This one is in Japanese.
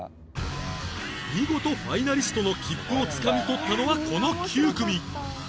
見事ファイナリストの切符をつかみ取ったのがこの９組